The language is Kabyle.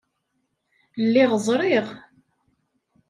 Lliɣ ẓriɣ.